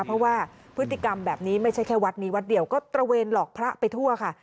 เพราะว่าพฤติกรรมแบบนี้ไม่ใช่แค่วัดนี้วัดเดียวก็ตระเวนหลอกพระไปทั่วค่ะ